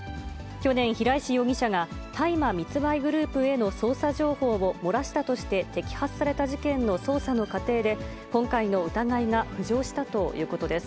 去年、平石容疑者が、大麻密売グループへの捜査情報を漏らしたとして摘発された事件の捜査の過程で、今回の疑いが浮上したということです。